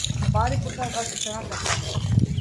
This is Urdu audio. اخبار رپورٹ کا آغاز اس طرح کرتا ہے